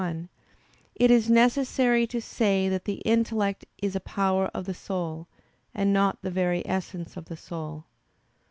1) it is necessary to say that the intellect is a power of the soul, and not the very essence of the soul.